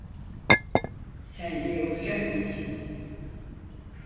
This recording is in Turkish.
Sen iyi olacak mısın?